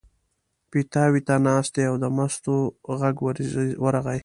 پیتاوي ته ناست دی او د مستو غږ ورغی.